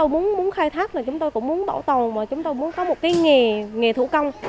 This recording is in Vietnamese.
muốn khai thác là chúng tôi cũng muốn bảo tồn và chúng tôi muốn có một cái nghề nghề thủ công